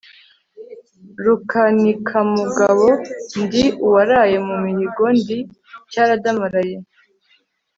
Rukanikamugabo ndi uwaraye mu mihigo ndi Cyaradamaraye